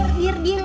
biar biar di sini